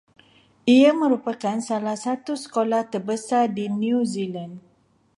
Ia merupakan salah satu sekolah terbesar di New Zealand